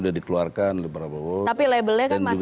sudah dikeluarkan beberapa orang